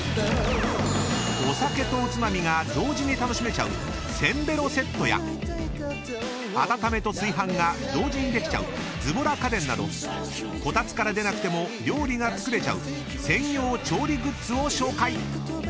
［お酒とおつまみが同時に楽しめちゃうせんべろセットや温めと炊飯が同時にできちゃうズボラ家電などこたつから出なくても料理が作れちゃう専用調理グッズを紹介］